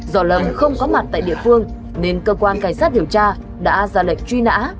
do lâm không có mặt tại địa phương nên cơ quan cảnh sát điều tra đã ra lệnh truy nã